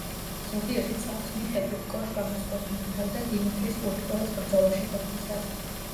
ზოგიერთი წყაროს მიხედვით, კოშკა მოსკოვს მართავდა დიმიტრის კულიკოვოს ბრძოლაში ყოფნისას.